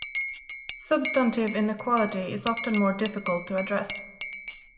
Substantive inequality is often more difficult to address.